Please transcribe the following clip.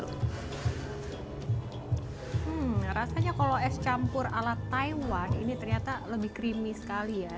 hmm rasanya kalau es campur ala taiwan ini ternyata lebih creamy sekali ya